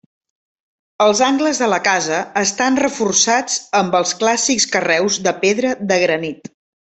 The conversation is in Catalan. Els angles de la casa estan reforçats amb els clàssics carreus de pedra de granit.